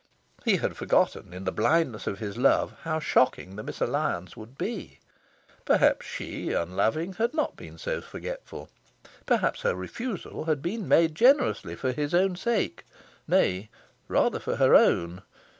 He had forgotten, in the blindness of his love, how shocking the misalliance would be. Perhaps she, unloving, had not been so forgetful? Perhaps her refusal had been made, generously, for his own sake. Nay, rather for her own.